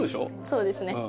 そうですね。